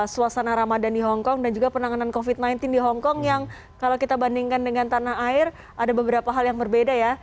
suasana ramadan di hongkong dan juga penanganan covid sembilan belas di hongkong yang kalau kita bandingkan dengan tanah air ada beberapa hal yang berbeda ya